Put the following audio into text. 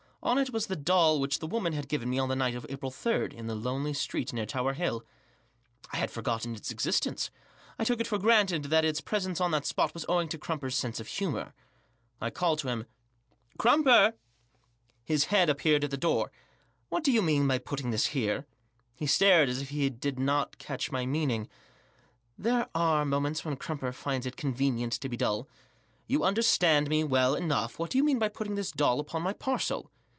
On it was the doll which the woman had given me on the night of April 3» in the lonely street near Tower Hill I had forgotten its existence, I took it for granted that its presence on that spot was owing to Crumper's sense of humour. I called to him. "Crumper!" His head appeared at the door* "What do you mean by putting this hefe?" He stared, as if he did not catch my meaning, There are moments when Crumper finds it convenient to be dull "You understand me well enough; what do you mean by putting this doll upon my parcel